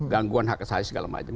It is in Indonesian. gangguan hak asasi segala macam